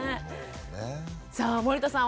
さあ森田さん